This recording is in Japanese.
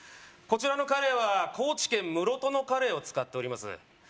こちらのカレイは高知県室戸のカレイを使っております